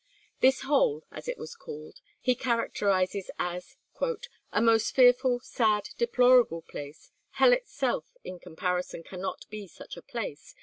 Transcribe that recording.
This hole, as it was called, he characterizes as "a most fearful, sad, deplorable place. Hell itself in comparison cannot be such a place.